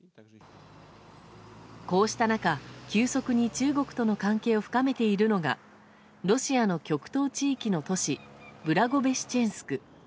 こうした中、急速に中国との関係を深めているのがロシアの極東地域の都市ブラゴベシチェンスク。